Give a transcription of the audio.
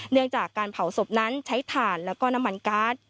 เนื่องจากการเผาศพนั้นใช้ถ่านแล้วก็น้ำมันการ์ด